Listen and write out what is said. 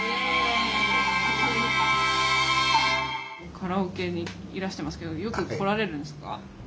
カラオケにいらしてますけどよく来られるんですか？